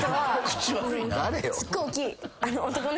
口悪いな。